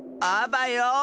あばよ！